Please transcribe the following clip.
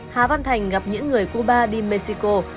hà văn thành gặp những người cuba đi về việt nam